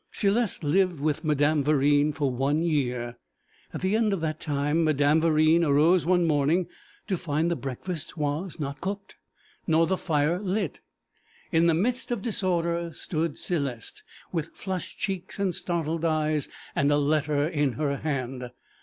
Céleste lived with Madame Verine for one year. At the end of that time Madame Verine arose one morning to find the breakfast was not cooked, nor the fire lit. In the midst of disorder stood Céleste, with flushed cheeks and startled eyes, and a letter in her hand.